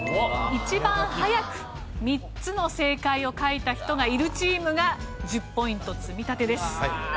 一番早く３つの正解を書いた人がいるチームが１０ポイント積み立てです。